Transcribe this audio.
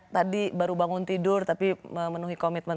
tadi baru bangun tidur tapi memenuhi komitmen